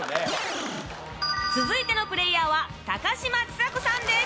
続いてのプレーヤーは高嶋ちさ子さんです。